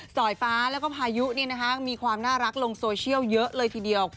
สายฟ้าแล้วก็พายุมีความน่ารักลงโซเชียลเยอะเลยทีเดียว